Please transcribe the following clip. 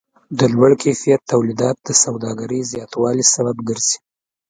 د لوړ کیفیت تولیدات د سوداګرۍ زیاتوالی سبب ګرځي.